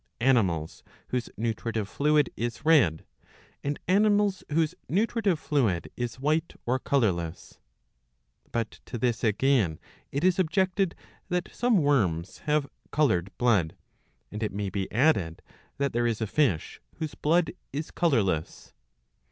Animals whose nutritive fluid is jred, and animals whose nutritive fluid is white or colourless. But to this again it is objected that some worms have coloured blood, and it may be added that there is a fish whose blood is colourless.